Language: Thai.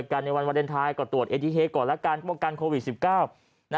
กันในวันวาเลนไทยก็ตรวจเอทีเฮก่อนแล้วกันป้องกันโควิด๑๙